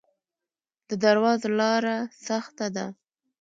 د درواز لاره سخته ده